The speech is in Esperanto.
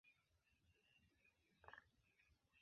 La prezentado estis sukcesa.